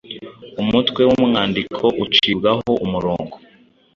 Umutwe w’umwandiko ucibwaho umurongo